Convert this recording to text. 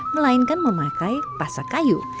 melainkan memakai pasak kayu